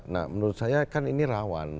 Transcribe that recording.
nah menurut saya kan ini rawan